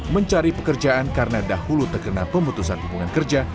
mencari pekerjaan karena dahulu terkena pemutusan hubungan kerja